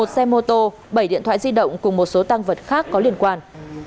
một xe mô tô bảy điện thoại di động cùng một số tăng vật khác có liên quan